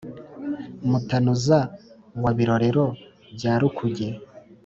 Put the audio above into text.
mutanuza wa birorero bya rukuge